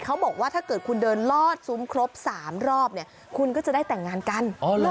เขาบอกว่าถ้าเกิดคุณเดินลอดซุ้มครบ๓รอบเนี่ยคุณก็จะได้แต่งงานกัน